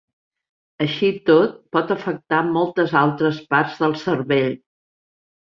Així i tot, pot afectar moltes altres parts del cervell.